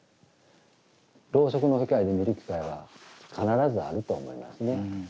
ろうそくの光で見る機会は必ずあると思いますね。